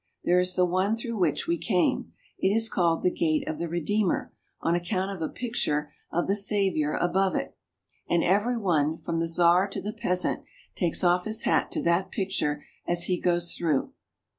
There is the one through which we came. It is called the Gate of the Redeemer on account of a picture of the MOSCOW. 349 Church of our Savior. Savior above it, and every one, from the Czar to the peas ant, takes off his hat to that picture as he goes through.